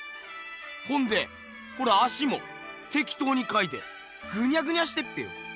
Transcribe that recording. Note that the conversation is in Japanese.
ほんでこの足もてきとうにかいてぐにゃぐにゃしてっぺよ。